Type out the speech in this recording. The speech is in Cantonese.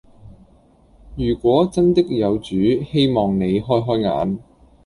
如果真的有主希望您開開眼